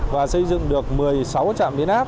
và xây dựng được một mươi sáu trạm